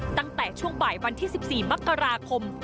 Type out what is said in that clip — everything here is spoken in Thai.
ตั้งแต่ช่วงบ่ายวันที่๑๔มกราคม